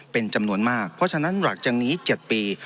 เป็นจำนวนมากเพราะฉะนั้นหลังจากนี้๗ปี